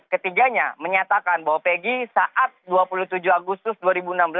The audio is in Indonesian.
ketiganya menyatakan bahwa peggy saat dua puluh tujuh agustus dua ribu enam belas